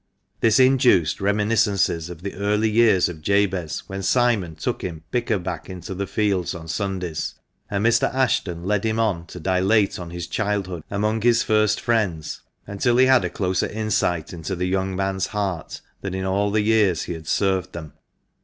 This induced reminiscences of the early years of Jabez when Simon took him pick a back into the fields on Sundays ; and Mr. Ashton led him on to dilate on his childhood among his first friends, until he had a closer insight into the young man's heart than in all the years he had served them.